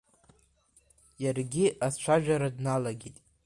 Иаргьы ацәажәара дналагеит.